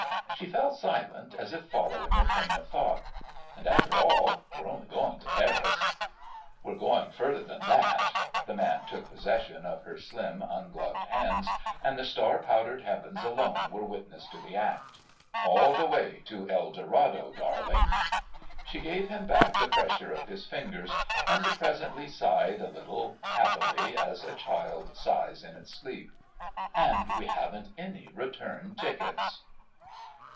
She fell silent, as if following a train of thought, "And after all, we're only going to Paris!" "We're going further than that——" The man took possession of her slim, ungloved hands, and the star powdered heavens alone were witness to the act. "All the way to El Dorado, darling!" She gave him back the pressure of his fingers, and presently sighed a little, happily, as a child sighs in its sleep. "And we haven't any return tickets...."